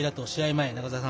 前中澤さん